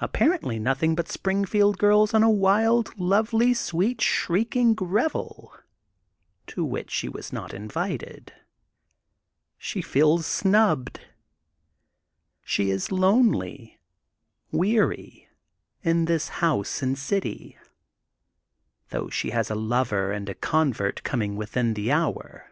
Ap parently nothing but Springfield girls on a wild, lovely, sweet, shrieking revel to which she has not been invited. She feels *' snubbed. ^' She is lonely, weary, in this house and city, though she has a lover and a convert coming within the hour.